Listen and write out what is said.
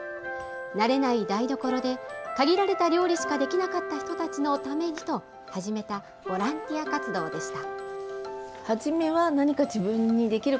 慣れない台所で限られた料理しかできなかった人たちのためにと始めたボランティア活動でした。